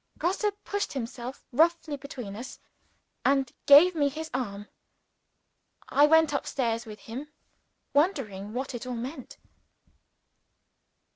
Grosse pushed himself roughly between us, and gave me his arm. I went up stairs with him, wondering what it all meant.